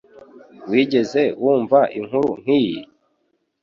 Wigeze wumva inkuru nkiyi